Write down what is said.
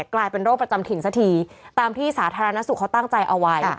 กลายเป็นโรคประจำถิ่นสักทีตามที่สาธารณสุขเขาตั้งใจเอาไว้